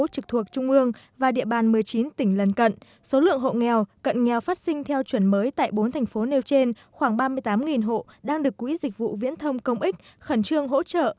trực thuộc trung ương và địa bàn một mươi chín tỉnh lần cận số lượng hộ nghèo cận nghèo phát sinh theo chuẩn mới tại bốn thành phố nêu trên khoảng ba mươi tám hộ đang được quỹ dịch vụ viễn thông công ích khẩn trương hỗ trợ